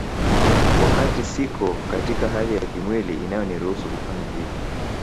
Wakati siko katika hali ya kimwili inayoniruhusu kufanya hivyo